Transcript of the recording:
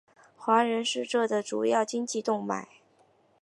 华人是这的主要经济动脉。